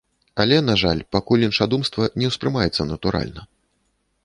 Але, на жаль, пакуль іншадумства не ўспрымаецца натуральна.